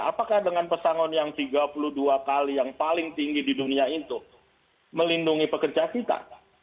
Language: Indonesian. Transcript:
apakah dengan pesangon yang tiga puluh dua kali yang paling tinggi di dunia itu melindungi pekerja kita